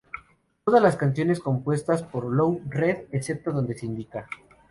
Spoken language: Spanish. Todas las canciones compuestas por Lou Reed excepto donde se indica.